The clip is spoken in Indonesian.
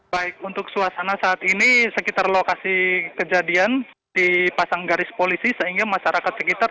baik untuk suasana saat ini sekitar lokasi kejadian dipasang garis polisi sehingga masyarakat sekitar